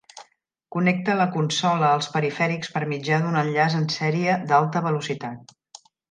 Connecta la consola als perifèrics per mitjà d"un enllaç en sèrie d"alta velocitat.